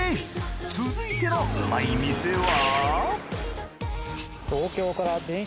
続いてのうまい店は？